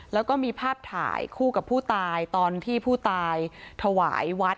แล้วก็มีภาพถ่ายคู่กับผู้ตายตอนที่ผู้ตายถวายวัด